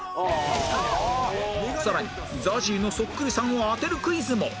さらに ＺＡＺＹ のそっくりさんを当てるクイズも